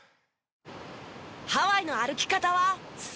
「ハワイの歩き方」はさらに。